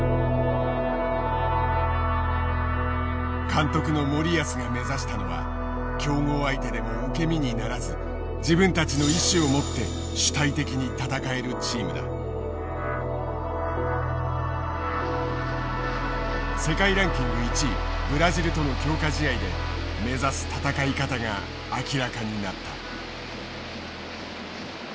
監督の森保が目指したのは強豪相手でも受け身にならず自分たちの意思を持って世界ランキング１位ブラジルとの強化試合で目指す戦い方が明らかになった。